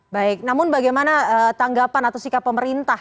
baik namun bagaimana tanggapan atau sikap pemerintah